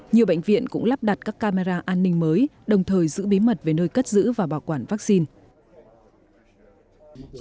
nhiều bệnh viện cũng lắp đặt các camera an ninh mới đồng thời giữ bí mật về nơi cất giữ và bảo quản vaccine